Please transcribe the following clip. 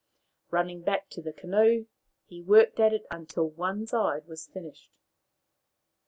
Running back to the canoe, he worked at it until one side was finished.